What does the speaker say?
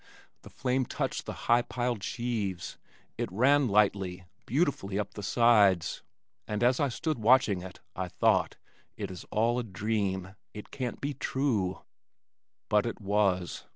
The flame touched the high piled sheaves. It ran lightly, beautifully up the sides and as I stood watching it, I thought, "It is all a dream. It can't be true." But it was.